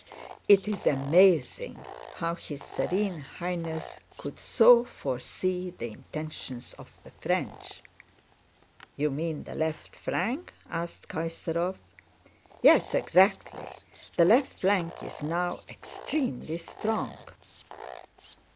It is amazing how his Serene Highness could so foresee the intentions of the French!" "You mean the left flank?" asked Kaysárov. "Yes, exactly; the left flank is now extremely strong."